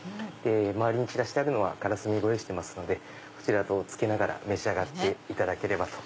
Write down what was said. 周りに散らしてあるのはからすみご用意してますのでこちら等をつけながら召し上がっていただければ。